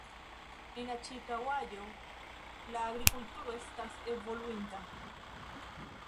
En la ĉirkaŭaĵo la agrikulturo estas evoluinta.